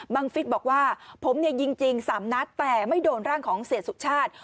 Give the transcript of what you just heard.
ฟิศบอกว่าผมเนี่ยยิงจริง๓นัดแต่ไม่โดนร่างของเสียสุชาติ